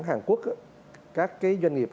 hàn quốc á các cái doanh nghiệp